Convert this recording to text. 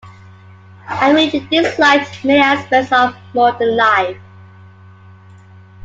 Hamilton disliked many aspects of modern life.